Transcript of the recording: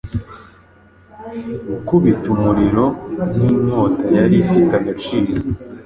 Gukubita umuriro ninkota yari ifite agaciro